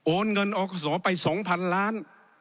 โอนเงินออกสอไปสองพันล้าน